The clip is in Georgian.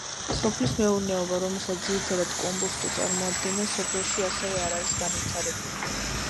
სოფლის მეურნეობა, რომელსაც ძირითადად კომბოსტო წარმოადგენდა, სოფელში ასევე არ არის განვითარებული.